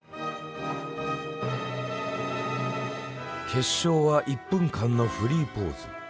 決勝は１分間のフリーポーズ。